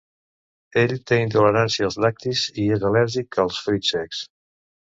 Ell té intolerància als lactis i és al·lèrgic als fruits secs.